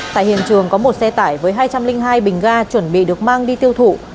tại hiện trường có một xe tải với hai trăm linh hai bình ga chuẩn bị được mang đi tiêu thụ